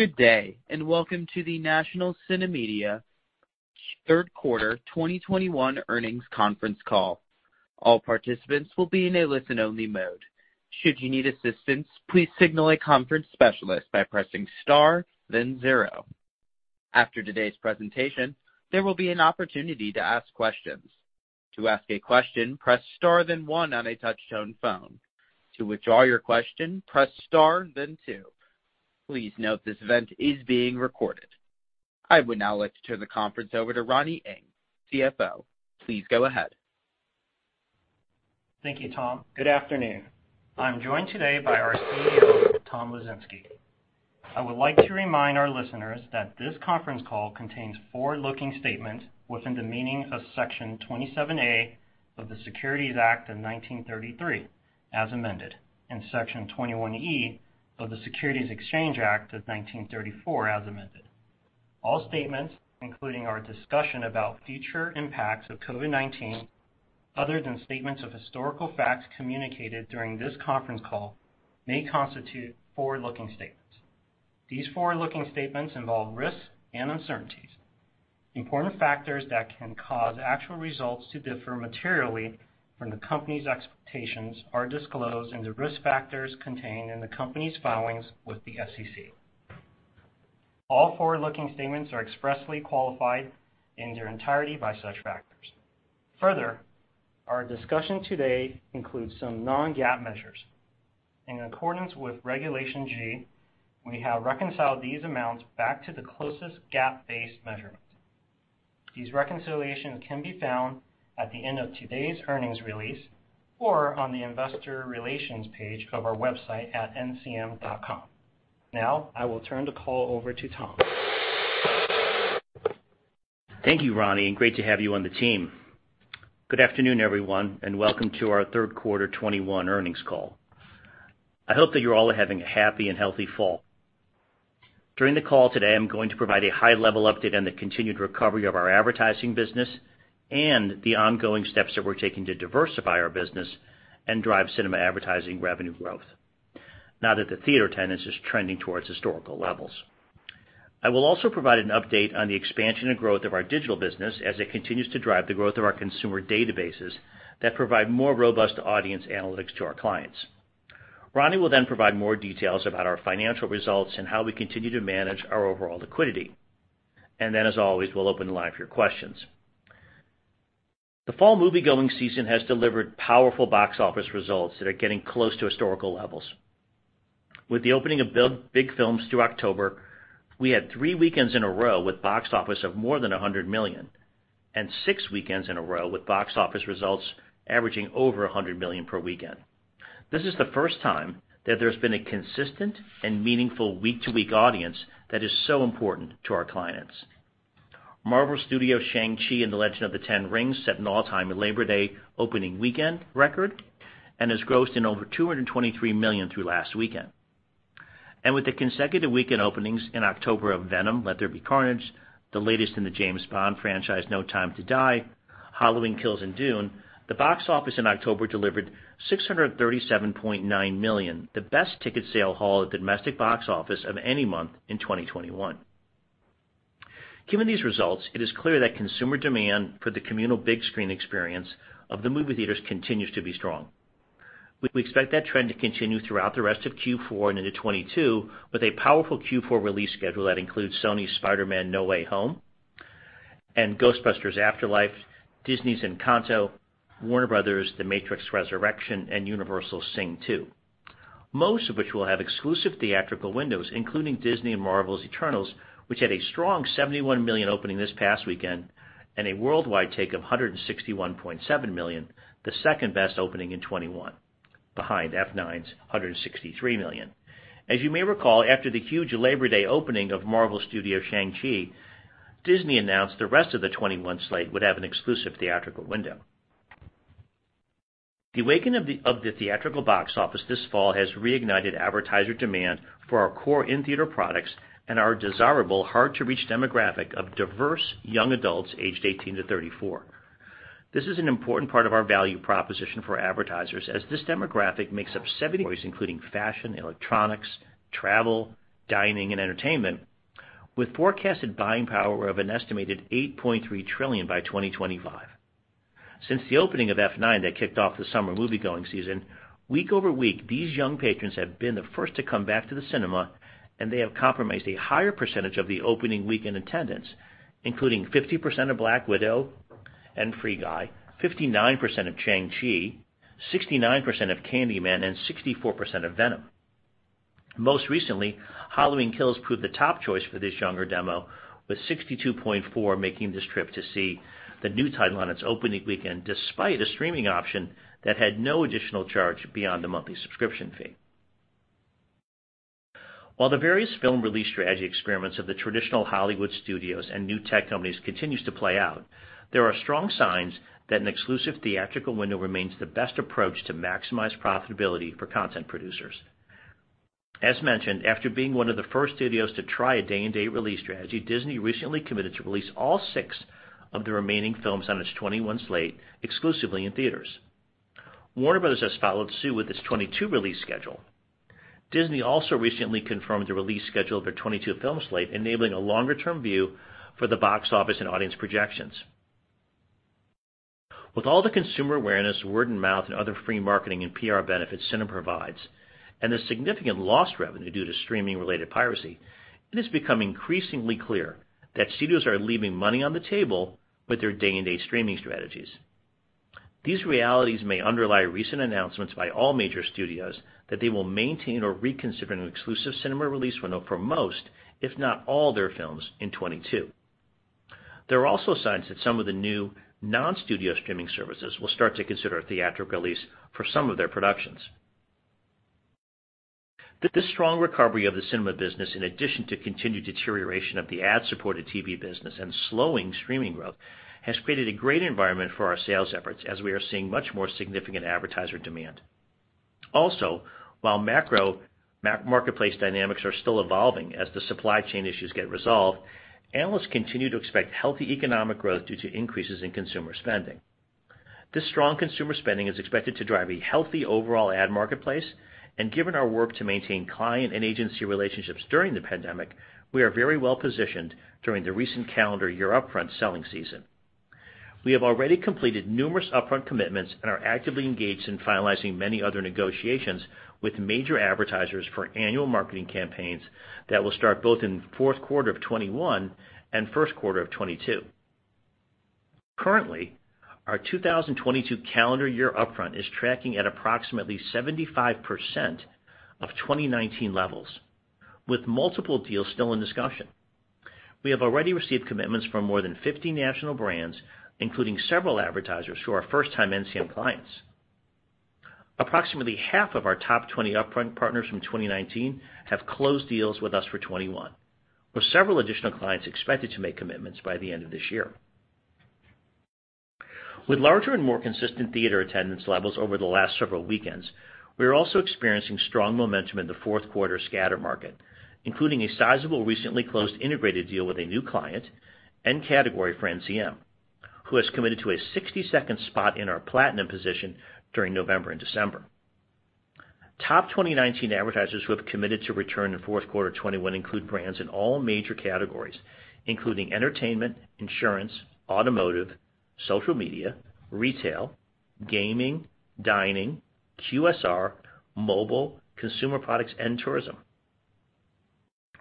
Good day, and welcome to the National CineMedia third quarter 2021 earnings conference call. All participants will be in a listen-only mode. Should you need assistance, please signal a conference specialist by pressing star then zero. After today's presentation, there will be an opportunity to ask questions. To ask a question, press star then one on a touchtone phone. To withdraw your question, press star then two. Please note this event is being recorded. I would now like to turn the conference over to Ronnie Ng, CFO. Please go ahead. Thank you, Tom. Good afternoon. I'm joined today by our CEO, Tom Lesinski. I would like to remind our listeners that this conference call contains forward-looking statements within the meaning of Section 27A of the Securities Act of 1933, as amended, and Section 21E of the Securities Exchange Act of 1934, as amended. All statements, including our discussion about future impacts of COVID-19, other than statements of historical facts communicated during this conference call, may constitute forward-looking statements. These forward-looking statements involve risks and uncertainties. Important factors that can cause actual results to differ materially from the company's expectations are disclosed in the risk factors contained in the company's filings with the SEC. All forward-looking statements are expressly qualified in their entirety by such factors. Further, our discussion today includes some non-GAAP measures. In accordance with Regulation G, we have reconciled these amounts back to the closest GAAP-based measurement. These reconciliations can be found at the end of today's earnings release or on the investor relations page of our website at ncm.com. Now, I will turn the call over to Tom. Thank you, Ronnie, and great to have you on the team. Good afternoon, everyone, and welcome to our third quarter 2021 earnings call. I hope that you all are having a happy and healthy fall. During the call today, I'm going to provide a high-level update on the continued recovery of our advertising business and the ongoing steps that we're taking to diversify our business and drive cinema advertising revenue growth now that the theater attendance is trending towards historical levels. I will also provide an update on the expansion and growth of our digital business as it continues to drive the growth of our consumer databases that provide more robust audience analytics to our clients. Ronnie will then provide more details about our financial results and how we continue to manage our overall liquidity. Then, as always, we'll open the line for your questions. The fall moviegoing season has delivered powerful box office results that are getting close to historical levels. With the opening of big films through October, we had three weekends in a row with box office of more than $100 million and six weekends in a row with box office results averaging over $100 million per weekend. This is the first time that there's been a consistent and meaningful week-to-week audience that is so important to our clients. Marvel Studios' Shang-Chi and the Legend of the Ten Rings set an all-time Labor Day opening weekend record and has grossed over $223 million through last weekend. With the consecutive weekend openings in October of Venom: Let There Be Carnage, the latest in the James Bond franchise, No Time to Die, Halloween Kills, and Dune, the box office in October delivered $637.9 million, the best ticket sale haul at the domestic box office of any month in 2021. Given these results, it is clear that consumer demand for the communal big screen experience of the movie theaters continues to be strong. We expect that trend to continue throughout the rest of Q4 and into 2022 with a powerful Q4 release schedule that includes Sony's Spider-Man: No Way Home and Ghostbusters: Afterlife, Disney's Encanto, Warner Bros.' The Matrix Resurrections, and Universal's Sing 2, most of which will have exclusive theatrical windows, including Disney and Marvel's Eternals, which had a strong $71 million opening this past weekend and a worldwide take of $161.7 million, the second-best opening in 2021 behind F9's $163 million. As you may recall, after the huge Labor Day opening of Marvel Studios' Shang-Chi, Disney announced the rest of the 2021 slate would have an exclusive theatrical window. The awakening of the theatrical box office this fall has reignited advertiser demand for our core in-theater products and our desirable hard-to-reach demographic of diverse young adults aged 18 to 34. This is an important part of our value proposition for advertisers as this demographic makes up 70, including fashion, electronics, travel, dining, and entertainment with forecasted buying power of an estimated $8.3 trillion by 2025. Since the opening of F9 that kicked off the summer moviegoing season, week-over-week, these young patrons have been the first to come back to the cinema, and they have comprised a higher percentage of the opening weekend attendance, including 50% of Black Widow and Free Guy, 59% of Shang-Chi, 69% of Candyman, and 64% of Venom. Most recently, Halloween Kills proved the top choice for this younger demo, with 62.4% making this trip to see the new title on its opening weekend despite a streaming option that had no additional charge beyond the monthly subscription fee. While the various film release strategy experiments of the traditional Hollywood studios and new tech companies continues to play out, there are strong signs that an exclusive theatrical window remains the best approach to maximize profitability for content producers. As mentioned, after being one of the first studios to try a day-and-date release strategy, Disney recently committed to release all six of the remaining films on its 2021 slate exclusively in theaters. Warner has followed suit with its 2022 release schedule. Disney also recently confirmed the release schedule of their 2022 film slate, enabling a longer-term view for the box office and audience projections. With all the consumer awareness, word of mouth, and other free marketing and PR benefits cinema provides, and the significant lost revenue due to streaming-related piracy, it has become increasingly clear that studios are leaving money on the table with their day-and-date streaming strategies. These realities may underlie recent announcements by all major studios that they will maintain or reconsider an exclusive cinema release window for most, if not all, their films in 2022. There are also signs that some of the new non-studio streaming services will start to consider a theatrical release for some of their productions. The strong recovery of the cinema business, in addition to continued deterioration of the ad-supported TV business and slowing streaming growth, has created a great environment for our sales efforts as we are seeing much more significant advertiser demand. Also, while macro marketplace dynamics are still evolving as the supply chain issues get resolved, analysts continue to expect healthy economic growth due to increases in consumer spending. This strong consumer spending is expected to drive a healthy overall ad marketplace, and given our work to maintain client and agency relationships during the pandemic, we are very well positioned during the recent calendar year upfront selling season. We have already completed numerous upfront commitments and are actively engaged in finalizing many other negotiations with major advertisers for annual marketing campaigns that will start both in fourth quarter of 2021 and first quarter of 2022. Currently, our 2022 calendar year upfront is tracking at approximately 75% of 2019 levels, with multiple deals still in discussion. We have already received commitments from more than 50 national brands, including several advertisers who are first-time NCM clients. Approximately half of our top 20 upfront partners from 2019 have closed deals with us for 2021, with several additional clients expected to make commitments by the end of this year. With larger and more consistent theater attendance levels over the last several weekends, we are also experiencing strong momentum in the fourth quarter scatter market, including a sizable recently closed integrated deal with a new client and category for NCM, who has committed to a 60-second spot in our Platinum position during November and December. Top 2019 advertisers who have committed to return in fourth quarter 2021 include brands in all major categories, including entertainment, insurance, automotive, social media, retail, gaming, dining, QSR, mobile, consumer products, and tourism.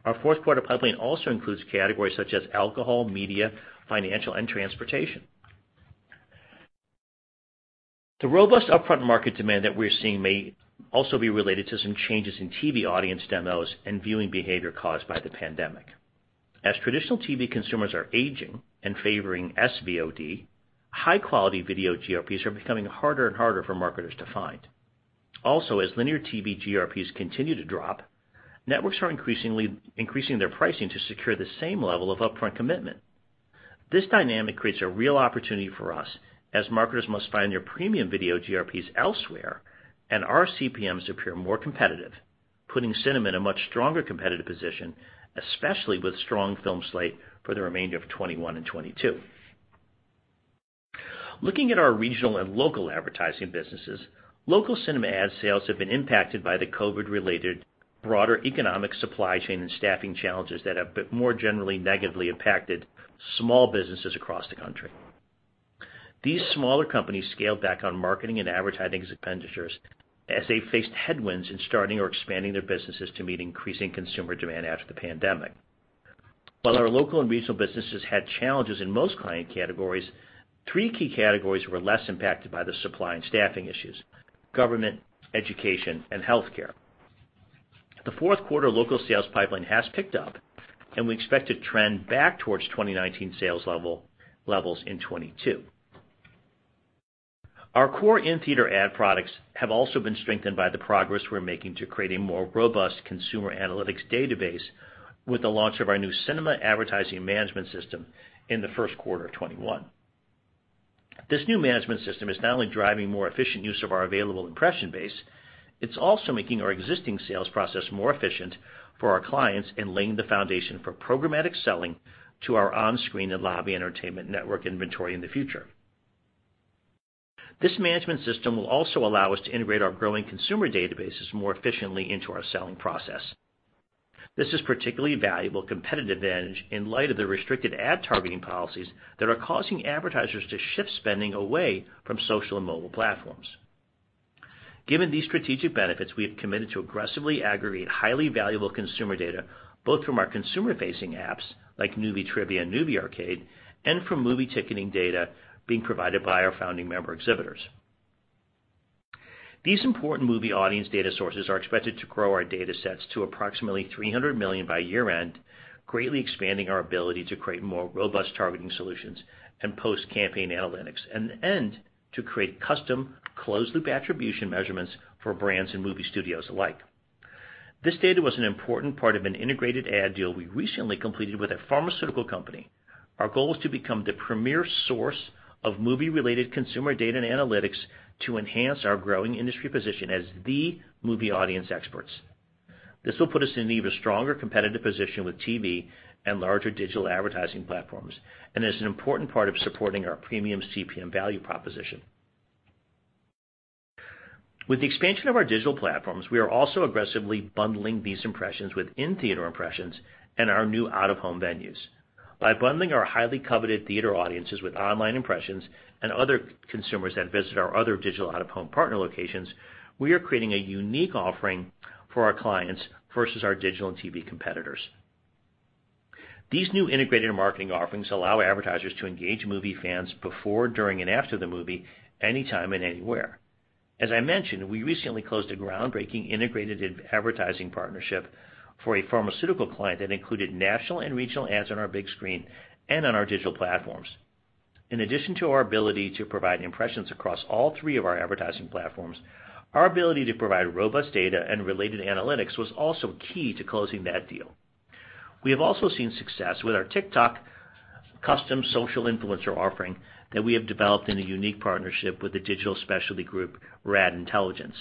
Our fourth-quarter pipeline also includes categories such as alcohol, media, financial, and transportation. The robust upfront market demand that we're seeing may also be related to some changes in TV audience demos and viewing behavior caused by the pandemic. As traditional TV consumers are aging and favoring SVOD, high-quality video GRPs are becoming harder and harder for marketers to find. Also, as linear TV GRPs continue to drop, networks are increasingly increasing their pricing to secure the same level of upfront commitment. This dynamic creates a real opportunity for us as marketers must find their premium video GRPs elsewhere and our CPMs appear more competitive, putting cinema in a much stronger competitive position, especially with strong film slate for the remainder of 2021 and 2022. Looking at our regional and local advertising businesses, local cinema ad sales have been impacted by the COVID-related broader economic supply chain and staffing challenges that have more generally negatively impacted small businesses across the country. These smaller companies scaled back on marketing and advertising expenditures as they faced headwinds in starting or expanding their businesses to meet increasing consumer demand after the pandemic. While our local and regional businesses had challenges in most client categories, three key categories were less impacted by the supply and staffing issues, government, education, and healthcare. The fourth quarter local sales pipeline has picked up, and we expect to trend back towards 2019 sales levels in 2022. Our core in-theater ad products have also been strengthened by the progress we're making to create a more robust consumer analytics database with the launch of our new cinema advertising management system in the first quarter of 2021. This new management system is not only driving more efficient use of our available impression base, it's also making our existing sales process more efficient for our clients and laying the foundation for programmatic selling to our on-screen and lobby entertainment network inventory in the future. This management system will also allow us to integrate our growing consumer databases more efficiently into our selling process. This is a particularly valuable competitive advantage in light of the restricted ad targeting policies that are causing advertisers to shift spending away from social and mobile platforms. Given these strategic benefits, we have committed to aggressively aggregate highly valuable consumer data, both from our consumer-facing apps like Noovie Trivia and Noovie ARcade, and from movie ticketing data being provided by our founding member exhibitors. These important movie audience data sources are expected to grow our datasets to approximately 300 million by year-end, greatly expanding our ability to create more robust targeting solutions and post-campaign analytics, and to create custom closed-loop attribution measurements for brands and movie studios alike. This data was an important part of an integrated ad deal we recently completed with a pharmaceutical company. Our goal is to become the premier source of movie-related consumer data and analytics to enhance our growing industry position as the movie audience experts. This will put us in an even stronger competitive position with TV and larger digital advertising platforms, and is an important part of supporting our premium CPM value proposition. With the expansion of our digital platforms, we are also aggressively bundling these impressions with in-theater impressions and our new out-of-home venues. By bundling our highly coveted theater audiences with online impressions and other consumers that visit our other digital out-of-home partner locations, we are creating a unique offering for our clients versus our digital and TV competitors. These new integrated marketing offerings allow advertisers to engage movie fans before, during, and after the movie, anytime and anywhere. As I mentioned, we recently closed a groundbreaking integrated advertising partnership for a pharmaceutical client that included national and regional ads on our big screen and on our digital platforms. In addition to our ability to provide impressions across all three of our advertising platforms, our ability to provide robust data and related analytics was also key to closing that deal. We have also seen success with our TikTok custom social influencer offering that we have developed in a unique partnership with the digital specialty group, RAD Intelligence.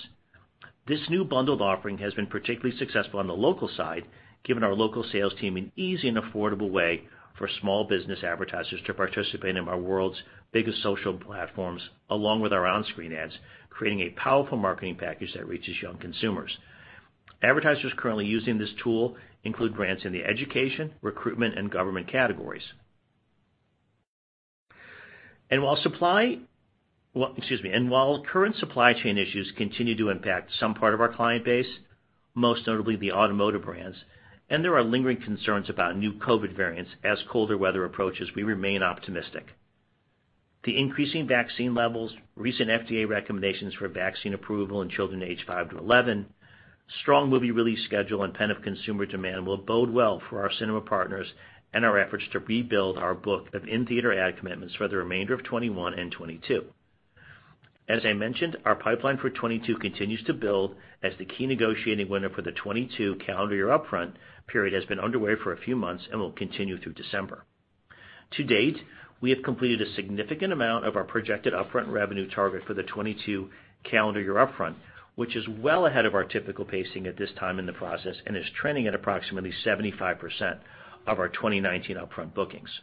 This new bundled offering has been particularly successful on the local side, giving our local sales team an easy and affordable way for small business advertisers to participate in our world's biggest social platforms, along with our on-screen ads, creating a powerful marketing package that reaches young consumers. Advertisers currently using this tool include brands in the education, recruitment, and government categories. While current supply chain issues continue to impact some part of our client base, most notably the automotive brands, and there are lingering concerns about new COVID variants as colder weather approaches, we remain optimistic. The increasing vaccine levels, recent FDA recommendations for vaccine approval in children aged five to 11, strong movie release schedule, and pent-up consumer demand will bode well for our cinema partners and our efforts to rebuild our book of in-theater ad commitments for the remainder of 2021 and 2022. As I mentioned, our pipeline for 2022 continues to build as the key negotiating window for the 2022 calendar year upfront period has been underway for a few months and will continue through December. To date, we have completed a significant amount of our projected upfront revenue target for the 2022 calendar year upfront, which is well ahead of our typical pacing at this time in the process, and is trending at approximately 75% of our 2019 upfront bookings.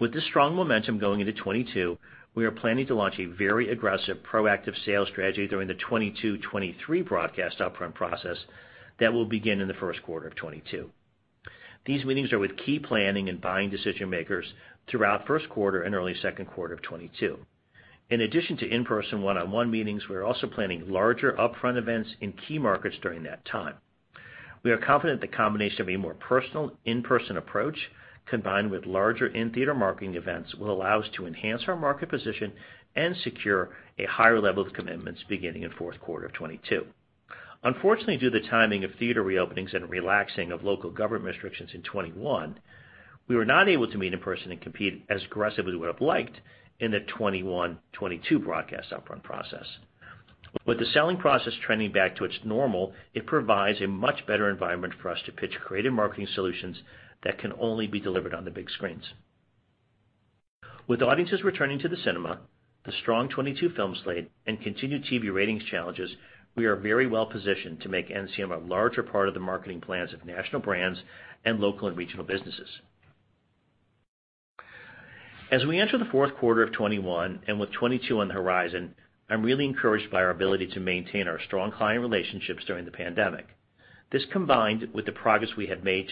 With this strong momentum going into 2022, we are planning to launch a very aggressive proactive sales strategy during the 2022/2023 broadcast upfront process that will begin in the first quarter of 2022. These meetings are with key planning and buying decision-makers throughout first quarter and early second quarter of 2022. In addition to in-person one-on-one meetings, we're also planning larger upfront events in key markets during that time. We are confident the combination of a more personal in-person approach combined with larger in-theater marketing events will allow us to enhance our market position and secure a higher level of commitments beginning in fourth quarter of 2022. Unfortunately, due to the timing of theater reopenings and relaxing of local government restrictions in 2021, we were not able to meet in person and compete as aggressively as we would've liked in the 2021/2022 broadcast upfront process. With the selling process trending back to its normal, it provides a much better environment for us to pitch creative marketing solutions that can only be delivered on the big screens. With audiences returning to the cinema, the strong 2022 film slate, and continued TV ratings challenges, we are very well-positioned to make NCM a larger part of the marketing plans of national brands and local and regional businesses. As we enter the fourth quarter of 2021, and with 2022 on the horizon, I'm really encouraged by our ability to maintain our strong client relationships during the pandemic. This, combined with the progress we have made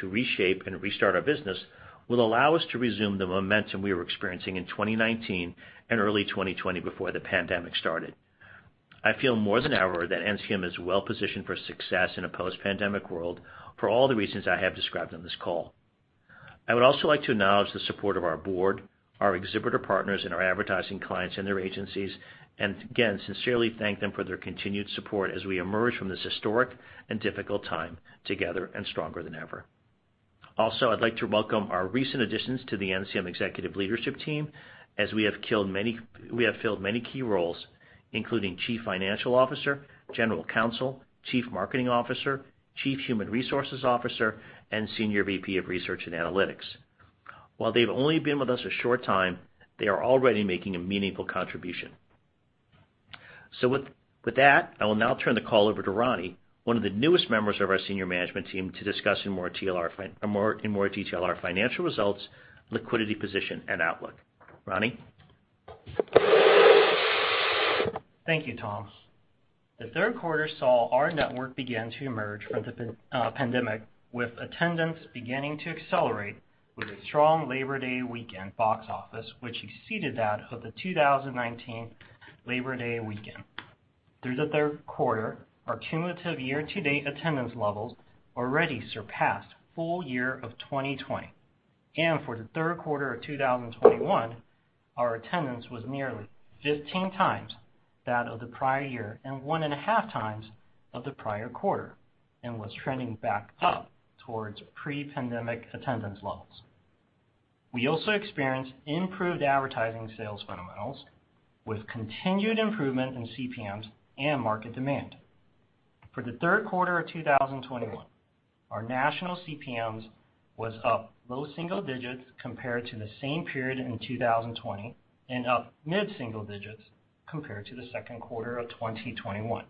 to reshape and restart our business, will allow us to resume the momentum we were experiencing in 2019 and early 2020 before the pandemic started. I feel more than ever that NCM is well-positioned for success in a post-pandemic world for all the reasons I have described on this call. I would also like to acknowledge the support of our board, our exhibitor partners, and our advertising clients and their agencies, and again, sincerely thank them for their continued support as we emerge from this historic and difficult time together and stronger than ever. Also, I'd like to welcome our recent additions to the NCM executive leadership team, as we have filled many key roles, including chief financial officer, general counsel, chief marketing officer, chief human resources officer, and senior VP of research and analytics. While they've only been with us a short time, they are already making a meaningful contribution. With that, I will now turn the call over to Ronnie, one of the newest members of our senior management team, to discuss in more detail our financial results, liquidity position, and outlook. Ronnie? Thank you, Tom. The third quarter saw our network begin to emerge from the pandemic, with attendance beginning to accelerate with a strong Labor Day weekend box office, which exceeded that of the 2019 Labor Day weekend. Through the third quarter, our cumulative year-to-date attendance levels already surpassed full year of 2020. For the third quarter of 2021, our attendance was nearly 15 times that of the prior year and 1.5 times of the prior quarter, and was trending back up towards pre-pandemic attendance levels. We also experienced improved advertising sales fundamentals with continued improvement in CPMs and market demand. For the third quarter of 2021. Our national CPMs was up low single digits compared to the same period in 2020, and up mid single digits compared to the second quarter of 2021.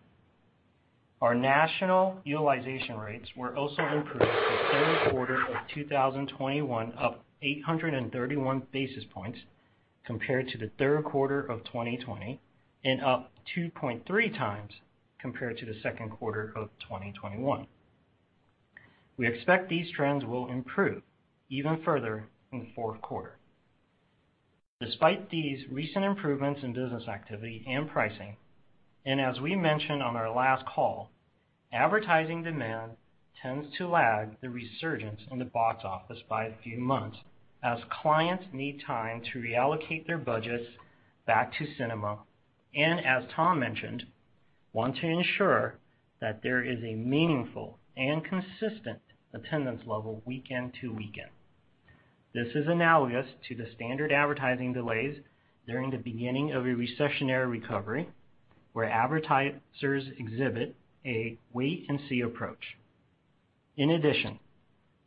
Our national utilization rates were also improved in the third quarter of 2021, up 831 basis points compared to the third quarter of 2020, and up 2.3x compared to the second quarter of 2021. We expect these trends will improve even further in the fourth quarter. Despite these recent improvements in business activity and pricing, and as we mentioned on our last call, advertising demand tends to lag the resurgence in the box office by a few months as clients need time to reallocate their budgets back to cinema, and as Tom mentioned, want to ensure that there is a meaningful and consistent attendance level weekend to weekend. This is analogous to the standard advertising delays during the beginning of a recessionary recovery, where advertisers exhibit a wait and see approach. In addition,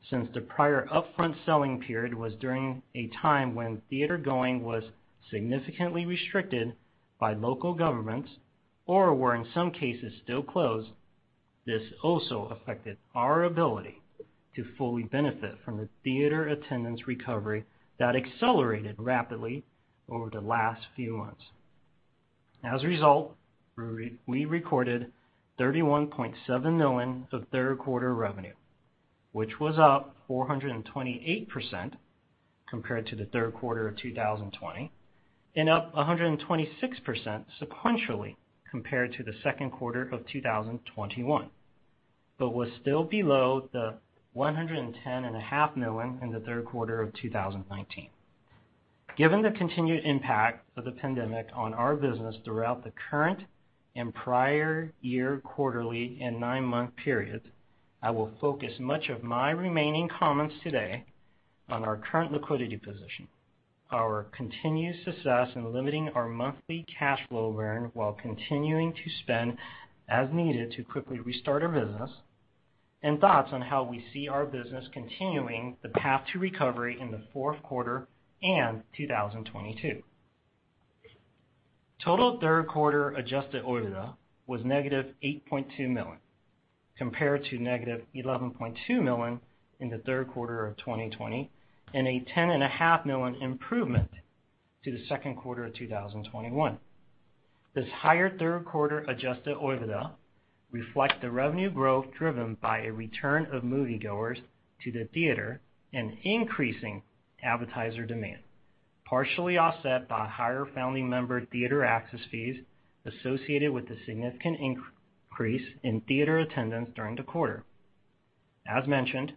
since the prior upfront selling period was during a time when theater going was significantly restricted by local governments or, in some cases, were still closed. This also affected our ability to fully benefit from the theater attendance recovery that accelerated rapidly over the last few months. As a result, we recorded $31.7 million of third-quarter revenue, which was up 428% compared to the third quarter of 2020, and up 126% sequentially compared to the second quarter of 2021, but was still below the $110.5 million in the third quarter of 2019. Given the continued impact of the pandemic on our business throughout the current and prior year quarterly and nine-month periods, I will focus much of my remaining comments today on our current liquidity position, our continued success in limiting our monthly cash flow burn while continuing to spend as needed to quickly restart our business, and thoughts on how we see our business continuing the path to recovery in the fourth quarter and 2022. Total third quarter adjusted OIBDA was -$8.2 million, compared to -$11.2 million in the third quarter of 2020, and a $10.5 million improvement to the second quarter of 2021. This higher third quarter adjusted OIBDA reflect the revenue growth driven by a return of moviegoers to the theater and increasing advertiser demand, partially offset by higher founding member theater access fees associated with the significant increase in theater attendance during the quarter. As mentioned,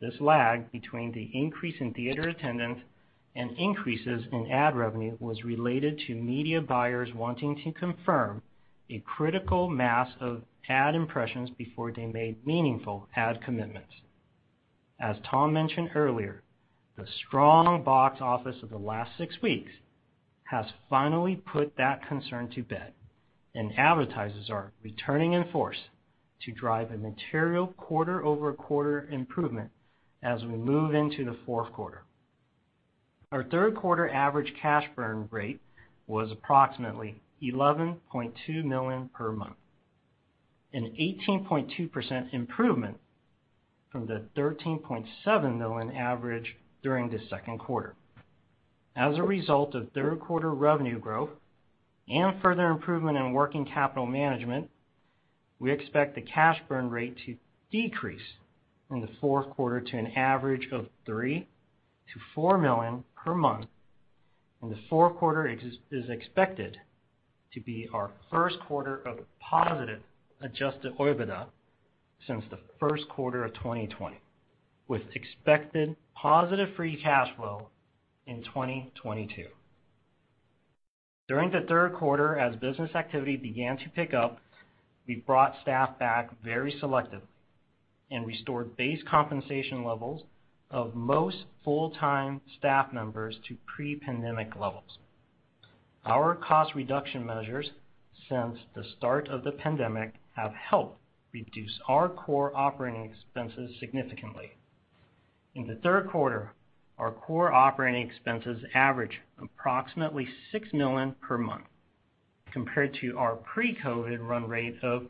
this lag between the increase in theater attendance and increases in ad revenue was related to media buyers wanting to confirm a critical mass of ad impressions before they made meaningful ad commitments. As Tom mentioned earlier, the strong box office of the last six weeks has finally put that concern to bed, and advertisers are returning in force to drive a material quarter-over-quarter improvement as we move into the fourth quarter. Our third quarter average cash burn rate was approximately $11.2 million per month, an 18.2% improvement from the $13.7 million average during the second quarter. As a result of third quarter revenue growth and further improvement in working capital management, we expect the cash burn rate to decrease in the fourth quarter to an average of $3 million-$4 million per month, and the fourth quarter is expected to be our first quarter of positive adjusted OIBDA since the first quarter of 2020, with expected positive free cash flow in 2022. During the third quarter, as business activity began to pick up, we brought staff back very selectively and restored base compensation levels of most full-time staff members to pre-pandemic levels. Our cost reduction measures since the start of the pandemic have helped reduce our core operating expenses significantly. In the third quarter, our core operating expenses averaged approximately $6 million per month compared to our pre-COVID run rate of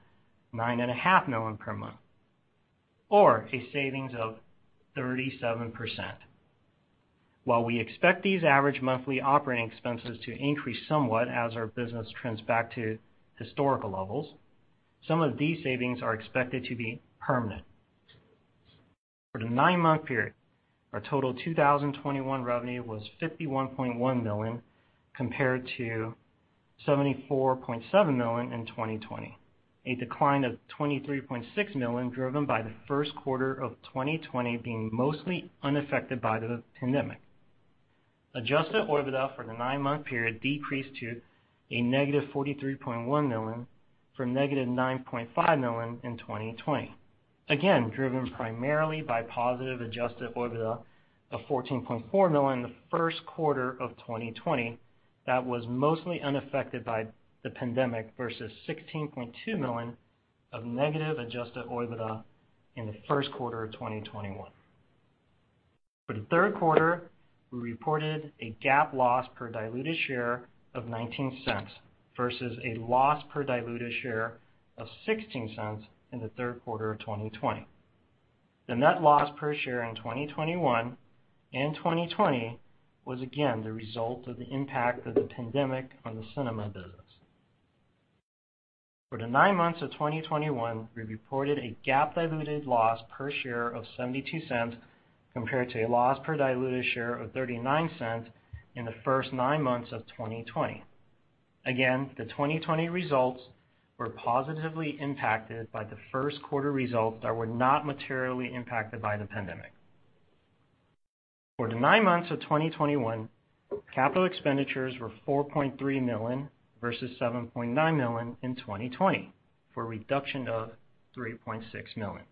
$9.5 million per month, or a savings of 37%. While we expect these average monthly operating expenses to increase somewhat as our business trends back to historical levels, some of these savings are expected to be permanent. For the nine-month period, our total 2021 revenue was $51.1 million, compared to $74.7 million in 2020, a decline of $23.6 million driven by the first quarter of 2020 being mostly unaffected by the pandemic. Adjusted OIBDA for the nine-month period decreased to negative $43.1 million from negative $9.5 million in 2020, again, driven primarily by positive adjusted OIBDA of $14.4 million in the first quarter of 2020 that was mostly unaffected by the pandemic versus $16.2 million of negative adjusted OIBDA in the first quarter of 2021. For the third quarter, we reported a GAAP loss per diluted share of $0.19 versus a loss per diluted share of $0.16 in the third quarter of 2020. The net loss per share in 2021 and 2020 was again the result of the impact of the pandemic on the cinema business. For the nine months of 2021, we reported a GAAP diluted loss per share of $0.72 compared to a loss per diluted share of $0.39 in the first nine months of 2020. Again, the 2020 results were positively impacted by the first quarter results that were not materially impacted by the pandemic. For the nine months of 2021, capital expenditures were $4.3 million versus $7.9 million in 2020 for a reduction of $3.6 million.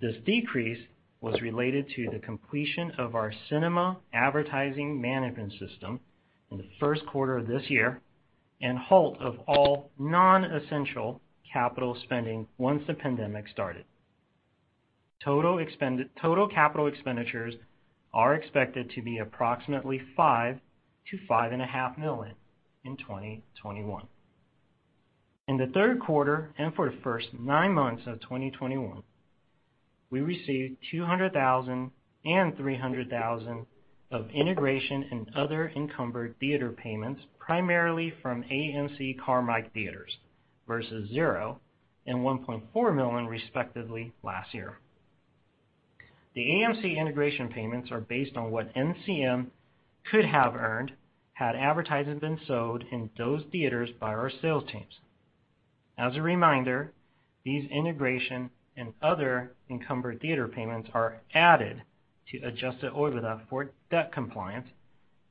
This decrease was related to the completion of our cinema advertising management system in the first quarter of this year and halt of all non-essential capital spending once the pandemic started. Total capital expenditures are expected to be approximately $5 million-$5.5 million in 2021. In the third quarter and for the first nine months of 2021, we received $200,000 and $300,000 of integration and other encumbered theater payments primarily from AMC Carmike Theatres versus $0 and $1.4 million respectively last year. The AMC integration payments are based on what NCM could have earned had advertising been sold in those theaters by our sales teams. As a reminder, these integration and other encumbered theater payments are added to adjusted OIBDA for debt compliance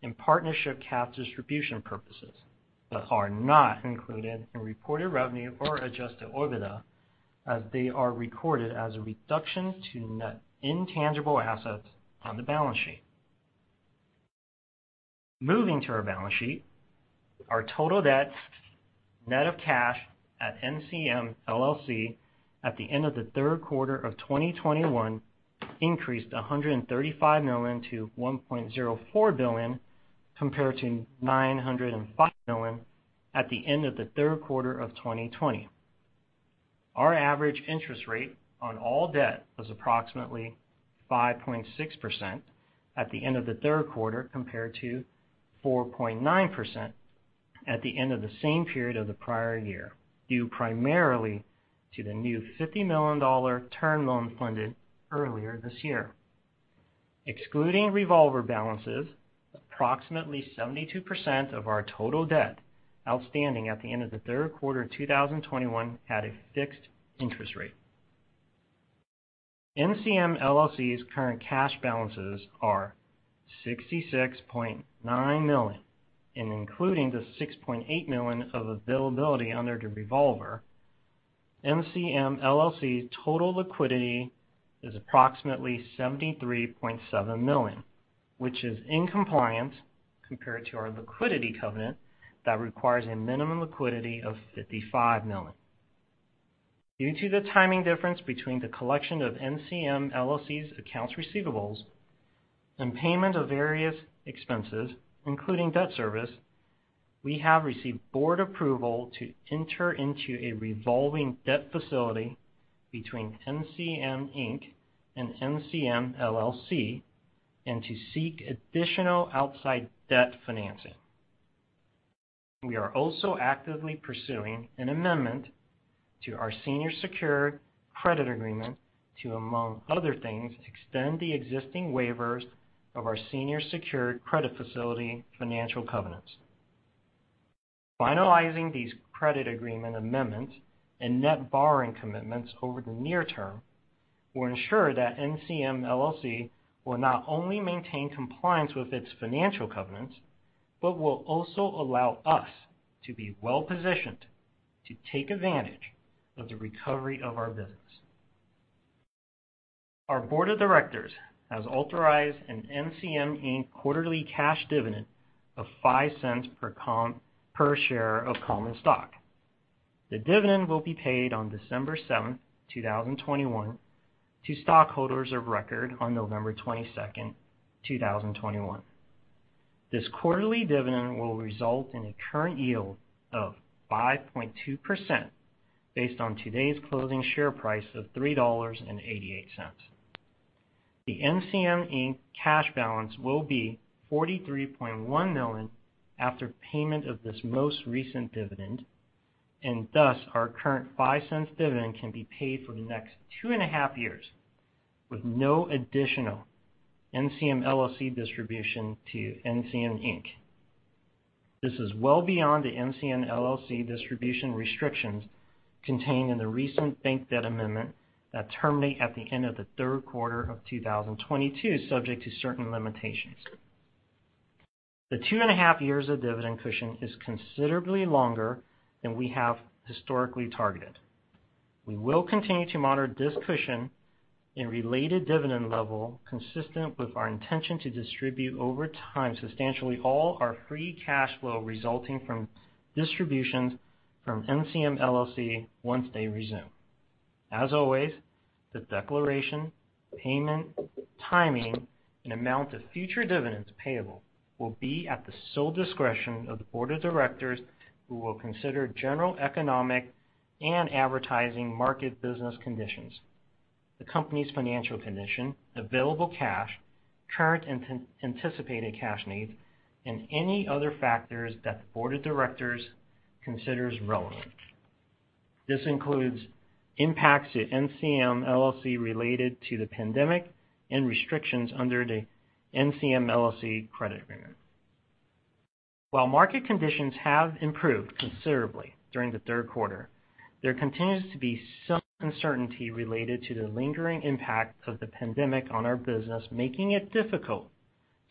and partnership cash distribution purposes, but are not included in reported revenue or adjusted OIBDA as they are recorded as a reduction to net intangible assets on the balance sheet. Moving to our balance sheet, our total debt net of cash at NCM LLC at the end of the third quarter of 2021 increased $135 million to $1.04 billion compared to $905 million at the end of the third quarter of 2020. Our average interest rate on all debt was approximately 5.6% at the end of the third quarter compared to 4.9% at the end of the same period of the prior year, due primarily to the new $50 million term loan funded earlier this year. Excluding revolver balances, approximately 72% of our total debt outstanding at the end of the third quarter of 2021 had a fixed interest rate. NCM LLC's current cash balances are $66.9 million, and including the $6.8 million of availability under the revolver, NCM LLC's total liquidity is approximately $73.7 million, which is in compliance compared to our liquidity covenant that requires a minimum liquidity of $55 million. Due to the timing difference between the collection of NCM LLC's accounts receivables and payment of various expenses, including debt service, we have received board approval to enter into a revolving debt facility between NCM Inc and NCM LLC and to seek additional outside debt financing. We are also actively pursuing an amendment to our senior secured credit agreement to, among other things, extend the existing waivers of our senior secured credit facility financial covenants. Finalizing these credit agreement amendments and net borrowing commitments over the near term will ensure that NCM LLC will not only maintain compliance with its financial covenants but will also allow us to be well positioned to take advantage of the recovery of our business. Our board of directors has authorized an NCM Inc quarterly cash dividend of $0.05 per share of common stock. The dividend will be paid on December 7, 2021 to stockholders of record on November 22, 2021. This quarterly dividend will result in a current yield of 5.2% based on today's closing share price of $3.88. The NCM Inc. Cash balance will be $43.1 million after payment of this most recent dividend, and thus our current $0.05 dividend can be paid for the next 2.5 years with no additional NCM LLC distribution to NCM Inc. This is well beyond the NCM LLC distribution restrictions contained in the recent bank debt amendment that terminate at the end of the third quarter of 2022, subject to certain limitations. The 2.5 years of dividend cushion is considerably longer than we have historically targeted. We will continue to monitor this cushion and related dividend level consistent with our intention to distribute over time substantially all our free cash flow resulting from distributions from NCM LLC once they resume. As always, the declaration, payment, timing, and amount of future dividends payable will be at the sole discretion of the board of directors, who will consider general economic and advertising market business conditions, the company's financial condition, available cash, current and anticipated cash needs, and any other factors that the board of directors considers relevant. This includes impacts to NCM LLC related to the pandemic and restrictions under the NCM LLC credit agreement. While market conditions have improved considerably during the third quarter, there continues to be some uncertainty related to the lingering impact of the pandemic on our business, making it difficult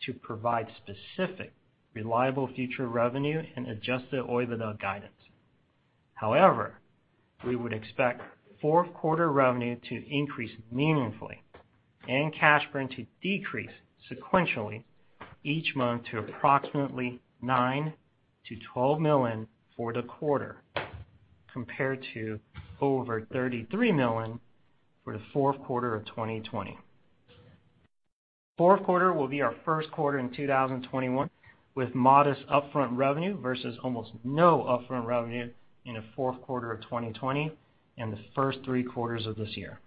to provide specific, reliable future revenue and adjusted OIBDA guidance. However, we would expect fourth quarter revenue to increase meaningfully and cash burn to decrease sequentially each month to approximately $9 million-$12 million for the quarter compared to over $33 million for the fourth quarter of 2020. Fourth quarter will be our first quarter in 2021, with modest upfront revenue versus almost no upfront revenue in the fourth quarter of 2020 and the first three quarters of this year.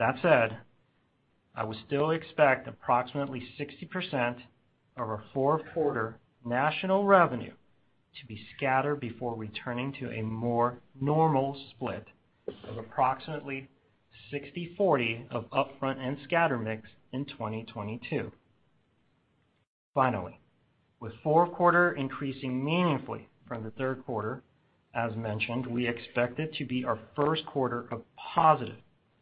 That said, I would still expect approximately 60% of our fourth quarter national revenue to be scattered before returning to a more normal split of approximately 60/40 of upfront and scatter mix in 2022. Finally, with fourth quarter increasing meaningfully from the third quarter, as mentioned, we expect it to be our first quarter of positive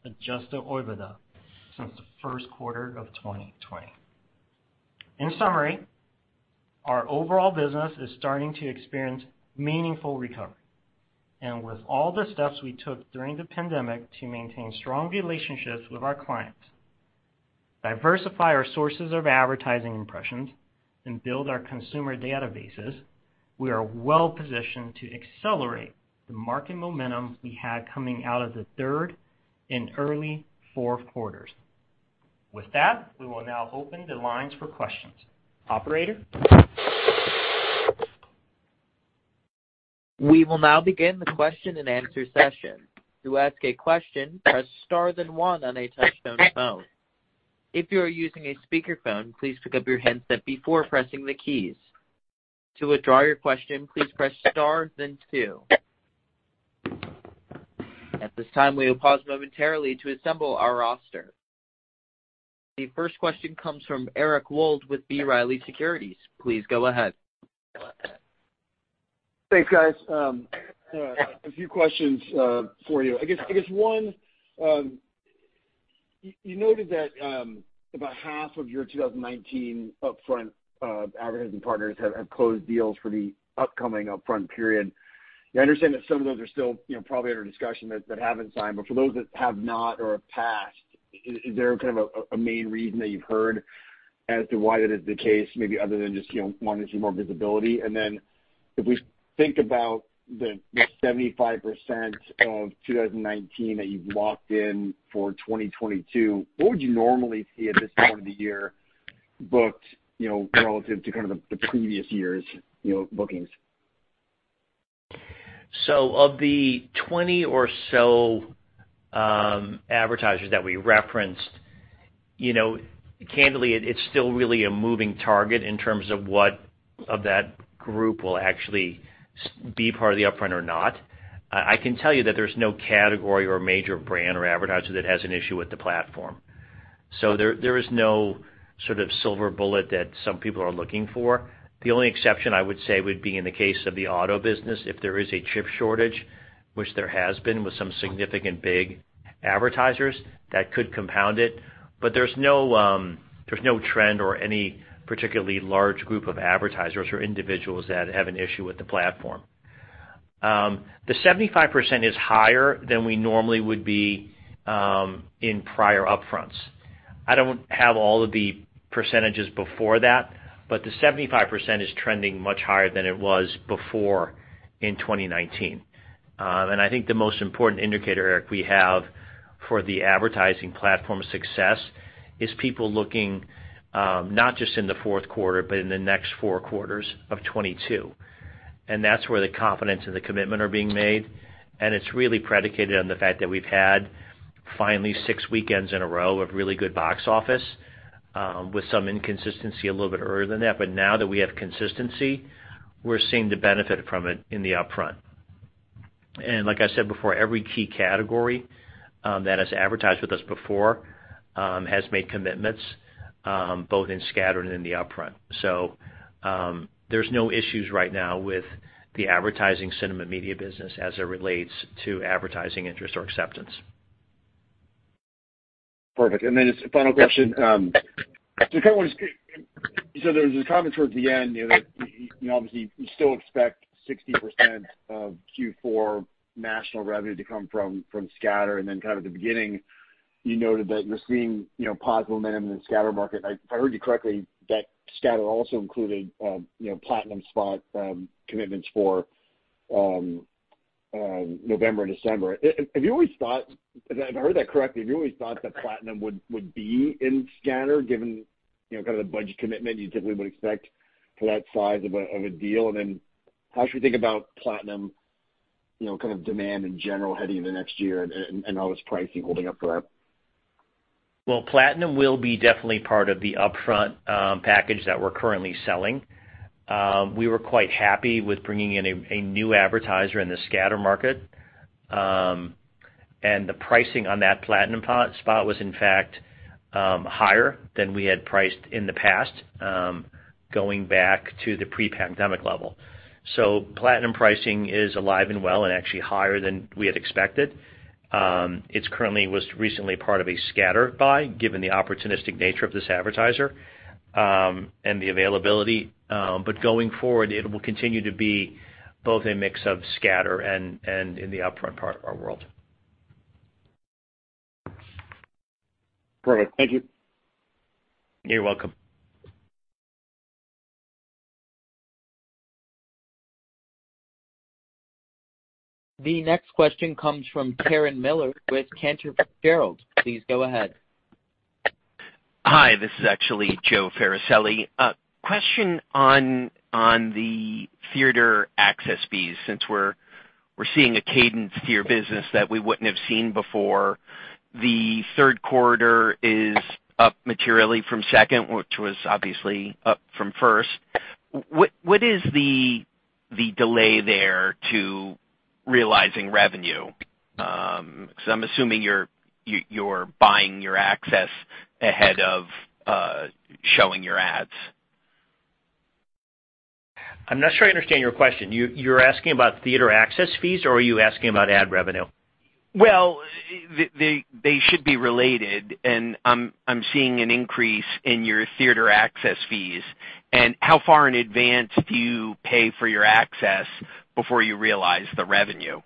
adjusted OIBDA since the first quarter of 2020. In summary, our overall business is starting to experience meaningful recovery. With all the steps we took during the pandemic to maintain strong relationships with our clients, diversify our sources of advertising impressions, and build our consumer databases, we are well-positioned to accelerate the market momentum we had coming out of the third and early fourth quarters. With that, we will now open the lines for questions. Operator? We will now begin the question-and-answer session. To ask a question, press star then one on a touchtone phone. If you are using a speakerphone, please pick up your handset before pressing the keys. To withdraw your question, please press star then two. At this time, we will pause momentarily to assemble our roster. The first question comes from Eric Wold with B. Riley Securities. Please go ahead. Thanks, guys. A few questions for you. I guess one, you noted that about half of your 2019 upfront advertising partners have closed deals for the upcoming upfront period. I understand that some of those are still, you know, probably under discussion that haven't signed. But for those that have not or have passed, is there kind of a main reason that you've heard as to why that is the case, maybe other than just, you know, wanting some more visibility? And then if we think about the 75% of 2019 that you've locked in for 2022, what would you normally see at this time of the year booked, you know, relative to kind of the previous years, you know, bookings? Of the 20 or so advertisers that we referenced, you know, candidly, it's still really a moving target in terms of what of that group will actually be part of the upfront or not. I can tell you that there's no category or major brand or advertiser that has an issue with the platform. There is no sort of silver bullet that some people are looking for. The only exception I would say would be in the case of the auto business, if there is a chip shortage, which there has been with some significant big advertisers that could compound it. But there's no trend or any particularly large group of advertisers or individuals that have an issue with the platform. The 75% is higher than we normally would be in prior upfronts. I don't have all of the percentages before that, but the 75% is trending much higher than it was before in 2019. I think the most important indicator, Eric, we have for the advertising platform success is people looking, not just in the fourth quarter, but in the next four quarters of 2022. That's where the confidence and the commitment are being made. It's really predicated on the fact that we've had finally six weekends in a row of really good box office, with some inconsistency a little bit earlier than that. Now that we have consistency, we're seeing the benefit from it in the upfront. Like I said before, every key category that has advertised with us before has made commitments, both in scatter and in the upfront. There's no issues right now with the advertising cinema media business as it relates to advertising interest or acceptance. Perfect. Just a final question. There's this comment towards the end, you know, that, you know, obviously you still expect 60% of Q4 national revenue to come from scatter and then kind of the beginning. You noted that you're seeing, you know, positive momentum in the scatter market. If I heard you correctly, that scatter also included, you know, Platinum spot commitments for November and December. If I heard that correctly, have you always thought that Platinum would be in scatter given, you know, kind of the budget commitment you typically would expect for that size of a deal? How should we think about Platinum, you know, kind of demand in general heading into next year and how is pricing holding up for that? Well, platinum will be definitely part of the upfront package that we're currently selling. We were quite happy with bringing in a new advertiser in the scatter market. The pricing on that platinum spot was in fact higher than we had priced in the past, going back to the pre-pandemic level. Platinum pricing is alive and well and actually higher than we had expected. It was recently part of a scatter buy, given the opportunistic nature of this advertiser, and the availability. Going forward, it will continue to be both a mix of scatter and in the upfront part of our world. Perfect. Thank you. You're welcome. The next question comes from Terran Miller with Cantor Fitzgerald. Please go ahead. Hi, this is actually Joe Farricielli. Question on the theater access fees, since we're seeing a cadence to your business that we wouldn't have seen before. The third quarter is up materially from second, which was obviously up from first. What is the delay there to realizing revenue? So I'm assuming you're buying your access ahead of showing your ads. I'm not sure I understand your question. You're asking about theater access fees, or are you asking about ad revenue? Well, they should be related, and I'm seeing an increase in your theater access fees. How far in advance do you pay for your access before you realize the revenue?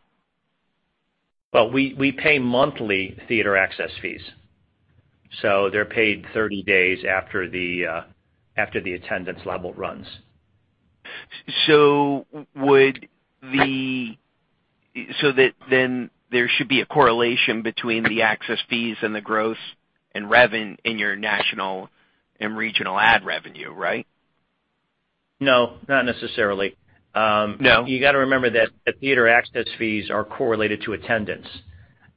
Well, we pay monthly theater access fees, so they're paid 30 days after the attendance level runs. That then there should be a correlation between the access fees and the growth and revenue in your national and regional ad revenue, right? No, not necessarily. No? You got to remember that the theater access fees are correlated to attendance,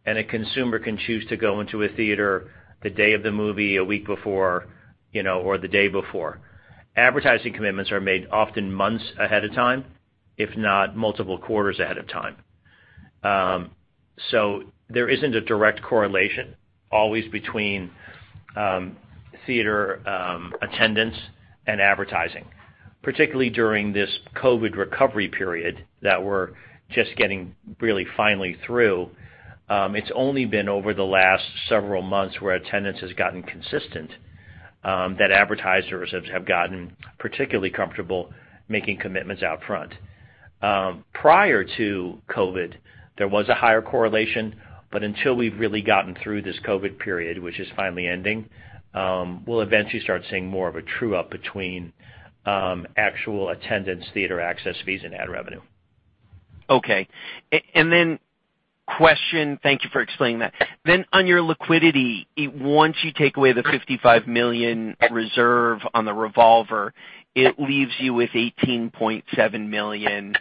and a consumer can choose to go into a theater the day of the movie, a week before, you know, or the day before. Advertising commitments are made often months ahead of time, if not multiple quarters ahead of time. There isn't a direct correlation always between theater attendance and advertising, particularly during this COVID recovery period that we're just getting really finally through. It's only been over the last several months where attendance has gotten consistent that advertisers have gotten particularly comfortable making commitments out front. Prior to COVID, there was a higher correlation, but until we've really gotten through this COVID period, which is finally ending, we'll eventually start seeing more of a true up between actual attendance, theater access fees, and ad revenue. Thank you for explaining that. On your liquidity, once you take away the $55 million reserve on the revolver, it leaves you with $18.7 million.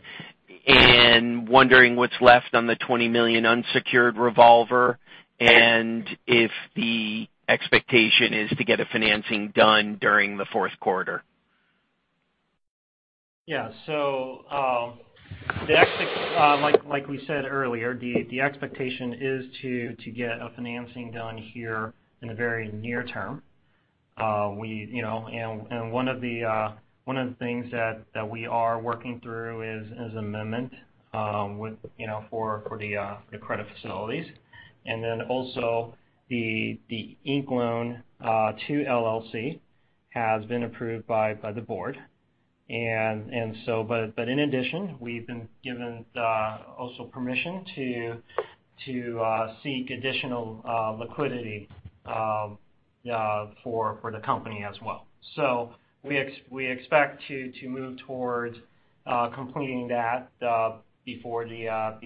Wondering what's left on the $20 million unsecured revolver and if the expectation is to get a financing done during the fourth quarter. Yeah. Like we said earlier, the expectation is to get a financing done here in the very near term. We, you know, one of the things that we are working through is amendment with, you know, for the credit facilities. Then also the Inc loan to LLC has been approved by the board. In addition, we've been given also permission to seek additional liquidity for the company as well. We expect to move towards completing that before the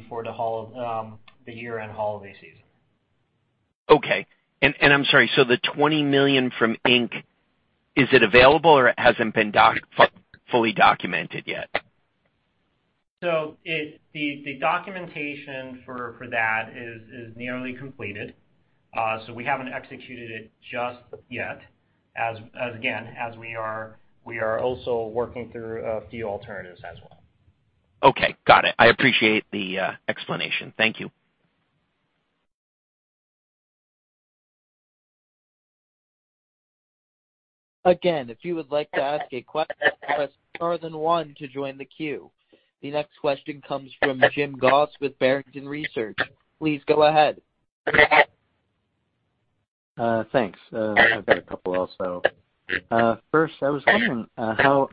year-end holiday season. Okay. I'm sorry, the $20 million from Inc, is it available or hasn't been fully documented yet? The documentation for that is nearly completed. We haven't executed it just yet, as again, as we are also working through a few alternatives as well. Okay, got it. I appreciate the explanation. Thank you. Again, if you would like to ask a question, press star then one to join the queue. The next question comes from Jim Goss with Barrington Research. Please go ahead. Thanks. I've got a couple also. First, I was wondering, how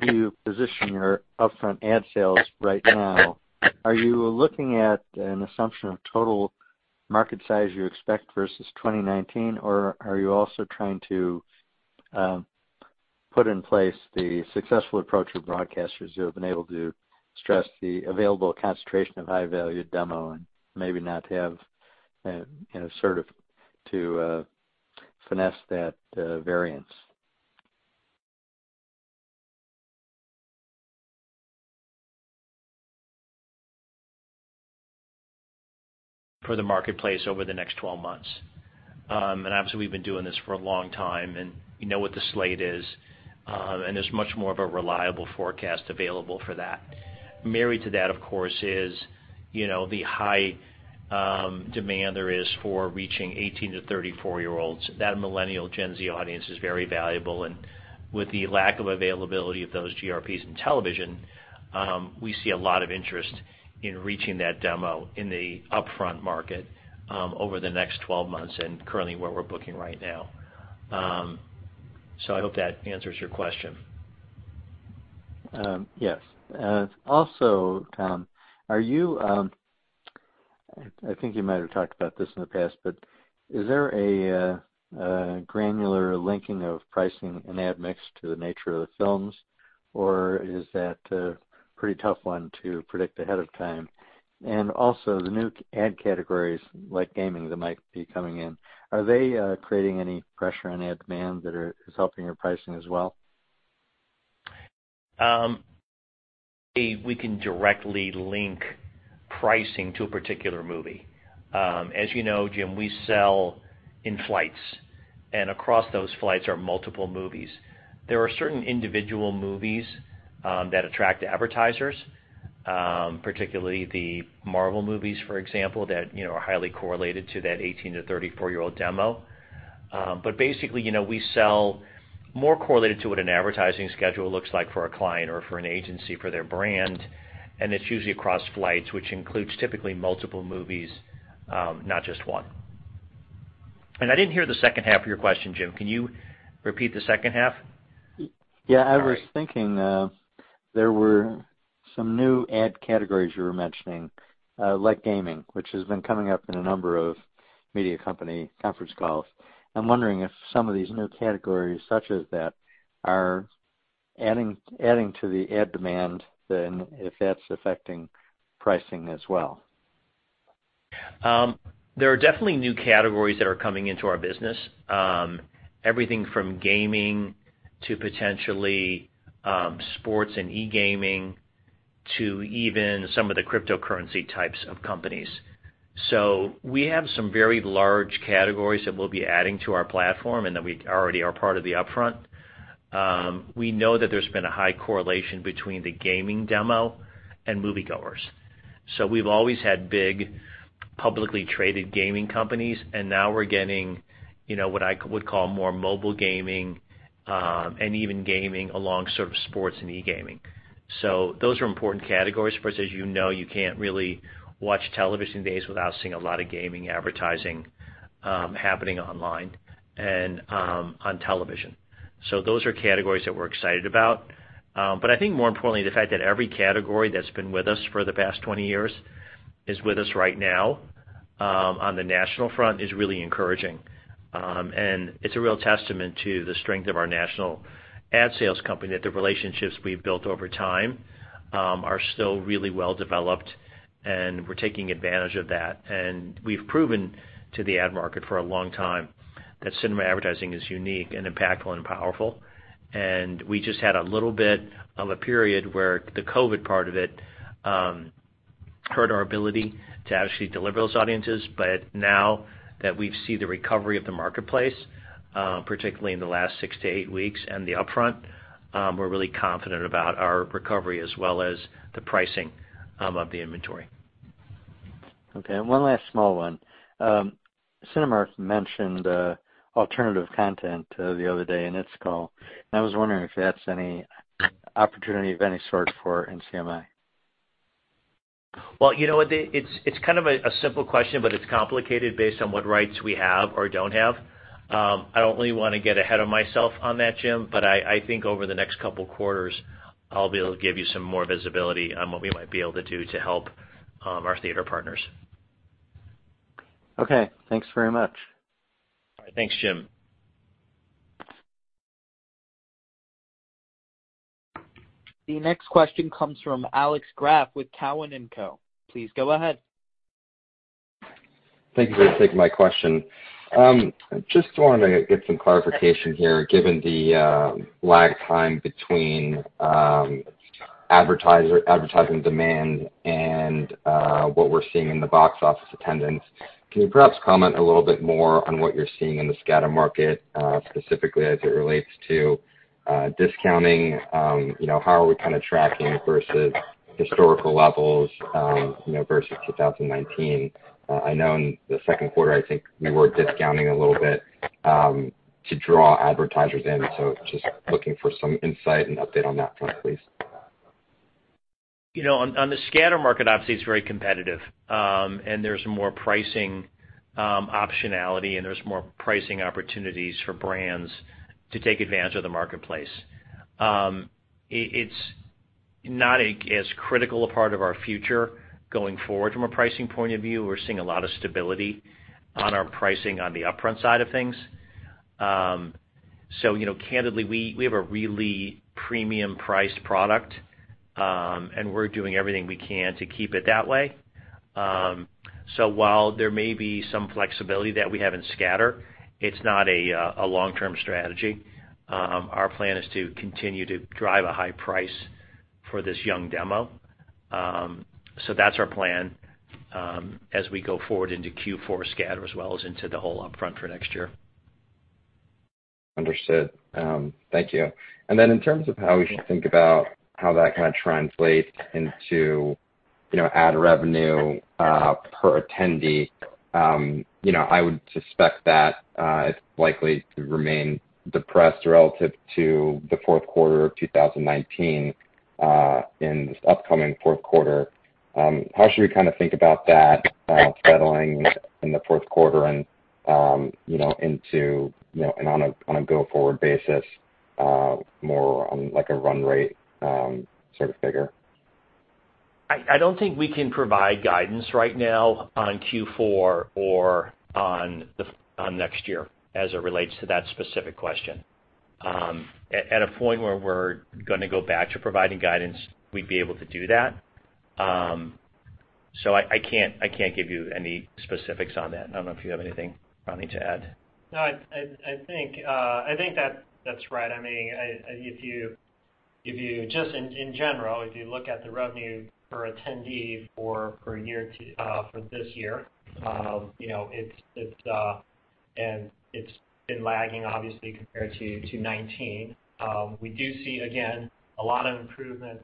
do you position your upfront ad sales right now? Are you looking at an assumption of total market size you expect versus 2019? Or are you also trying to put in place the successful approach with broadcasters who have been able to stress the available concentration of high value demo and maybe not have, you know, sort of to finesse that variance. For the marketplace over the next 12 months. Obviously, we've been doing this for a long time, and we know what the slate is. There's much more of a reliable forecast available for that. Married to that, of course, is, you know, the high demand there is for reaching 18- to 34-year-olds. That Millennial Gen Z audience is very valuable. With the lack of availability of those GRPs in television, we see a lot of interest in reaching that demo in the upfront market, over the next 12 months and currently where we're booking right now. I hope that answers your question. Yes. Also, Tom, I think you might have talked about this in the past, but is there a granular linking of pricing and ad mix to the nature of the films, or is that a pretty tough one to predict ahead of time? Also, the new ad categories like gaming that might be coming in, are they creating any pressure on ad demand that is helping your pricing as well? We can directly link pricing to a particular movie. As you know, Jim, we sell in flights, and across those flights are multiple movies. There are certain individual movies that attract advertisers, particularly the Marvel movies, for example, that, you know, are highly correlated to that 18-34-year-old demo. Basically, you know, we sell more correlated to what an advertising schedule looks like for a client or for an agency for their brand, and it's usually across flights, which includes typically multiple movies, not just one. I didn't hear the second half of your question, Jim, can you repeat the second half? Yeah. Sorry. I was thinking, there were some new ad categories you were mentioning, like gaming, which has been coming up in a number of media company conference calls. I'm wondering if some of these new categories, such as that, are adding to the ad demand, then if that's affecting pricing as well. There are definitely new categories that are coming into our business. Everything from gaming to potentially sports and e-gaming to even some of the cryptocurrency types of companies. We have some very large categories that we'll be adding to our platform and that we already are part of the upfront. We know that there's been a high correlation between the gaming demo and moviegoers. We've always had big publicly traded gaming companies, and now we're getting, you know, what I would call more mobile gaming and even gaming along sort of sports and e-gaming. Those are important categories. For us, as you know, you can't really watch television these days without seeing a lot of gaming advertising happening online and on television. Those are categories that we're excited about. I think more importantly, the fact that every category that's been with us for the past 20 years is with us right now, on the national front is really encouraging. It's a real testament to the strength of our national ad sales company, that the relationships we've built over time are still really well developed, and we're taking advantage of that. We've proven to the ad market for a long time that cinema advertising is unique and impactful and powerful. We just had a little bit of a period where the COVID part of it hurt our ability to actually deliver those audiences. Now that we've seen the recovery of the marketplace, particularly in the last six to eight weeks and the upfront, we're really confident about our recovery as well as the pricing of the inventory. Okay, one last small one. Cinemark mentioned alternative content the other day in its call, and I was wondering if that's any opportunity of any sort for NCMI. Well, you know what? It's kind of a simple question, but it's complicated based on what rights we have or don't have. I don't really wanna get ahead of myself on that, Jim, but I think over the next couple of quarters, I'll be able to give you some more visibility on what we might be able to do to help our theater partners. Okay, thanks very much. All right. Thanks, Jim. The next question comes from Alex Graf with Cowen and Co. Please go ahead. Thank you for taking my question. I just wanted to get some clarification here, given the lag time between advertising demand and what we're seeing in the box office attendance. Can you perhaps comment a little bit more on what you're seeing in the scatter market, specifically as it relates to discounting? You know, how are we kind of tracking versus historical levels, you know, versus 2019? I know in the second quarter, I think we were discounting a little bit to draw advertisers in. Just looking for some insight and update on that front, please. You know, on the scatter market, obviously, it's very competitive. There's more pricing optionality, and there's more pricing opportunities for brands to take advantage of the marketplace. It's not as critical a part of our future going forward from a pricing point of view. We're seeing a lot of stability on our pricing on the upfront side of things. You know, candidly, we have a really premium priced product, and we're doing everything we can to keep it that way. While there may be some flexibility that we have in scatter, it's not a long-term strategy. Our plan is to continue to drive a high price for this young demo. That's our plan, as we go forward into Q4 scatter, as well as into the whole upfront for next year. Understood. Thank you. In terms of how we should think about how that kinda translates into, you know, ad revenue per attendee, you know, I would suspect that it's likely to remain depressed relative to the fourth quarter of 2019 in this upcoming fourth quarter. How should we kinda think about that settling in the fourth quarter and, you know, on a go-forward basis, more on like a run rate sort of figure? I don't think we can provide guidance right now on Q4 or on next year as it relates to that specific question. At a point where we're gonna go back to providing guidance, we'd be able to do that. I can't give you any specifics on that. I don't know if you have anything, Ronnie, to add. No, I think that's right. I mean, if you just in general, if you look at the revenue per attendee for this year, you know, it's. It's been lagging obviously compared to 2019. We do see again a lot of improvement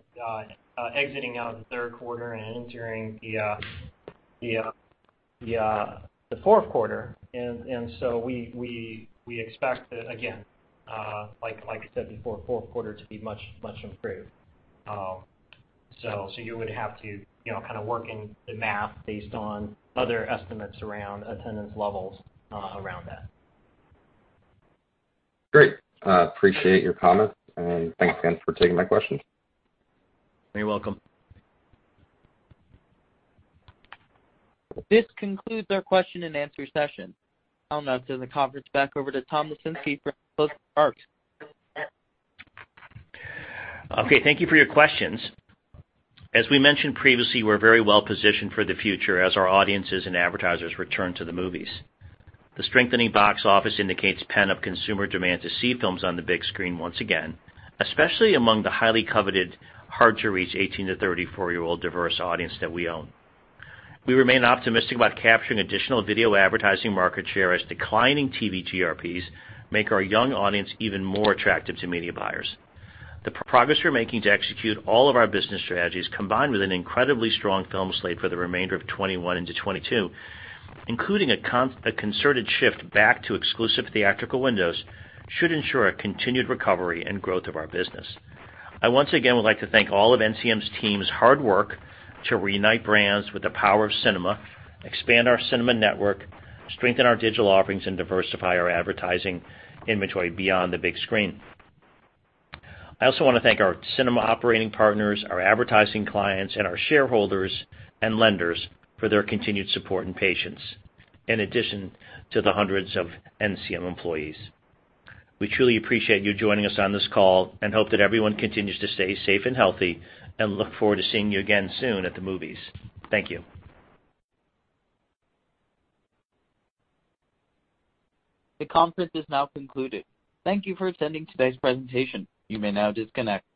exiting out in the third quarter and entering the fourth quarter. So we expect that again, like I said before, fourth quarter to be much improved. So you would have to, you know, kinda work in the math based on other estimates around attendance levels around that. Great. I appreciate your comments, and thanks again for taking my questions. You're welcome. This concludes our question and answer session. I'll now turn the conference back over to Tom Lesinski for any closing remarks. Okay, thank you for your questions. As we mentioned previously, we're very well positioned for the future as our audiences and advertisers return to the movies. The strengthening box office indicates pent up consumer demand to see films on the big screen once again, especially among the highly coveted, hard-to-reach 18- to 34-year-old diverse audience that we own. We remain optimistic about capturing additional video advertising market share as declining TV TRPs make our young audience even more attractive to media buyers. The progress we're making to execute all of our business strategies, combined with an incredibly strong film slate for the remainder of 2021 into 2022, including a concerted shift back to exclusive theatrical windows, should ensure a continued recovery and growth of our business. I once again would like to thank all of NCM team's hard work to reunite brands with the power of cinema, expand our cinema network, strengthen our digital offerings, and diversify our advertising inventory beyond the big screen. I also wanna thank our cinema operating partners, our advertising clients, and our shareholders and lenders for their continued support and patience, in addition to the hundreds of NCM employees. We truly appreciate you joining us on this call and hope that everyone continues to stay safe and healthy, and look forward to seeing you again soon at the movies. Thank you. The conference is now concluded. Thank you for attending today's presentation. You may now disconnect.